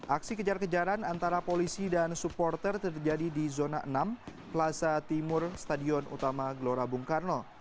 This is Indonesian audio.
aksi kejar kejaran antara polisi dan supporter terjadi di zona enam plaza timur stadion utama gelora bung karno